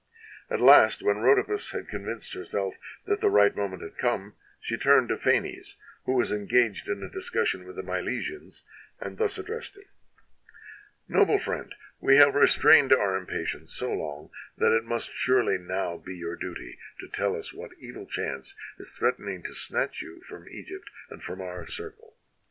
At last, when Rhodopis had convinced herself that the right moment had come, she turned to Phanes, who was engaged in a discussion with the Milesians, and thus addressed him: — "Noble friend, we have restrained our impatience so long that it must surely now be your duty to tell us what evil chance is threatening to snatch you from Egypt and from our circle.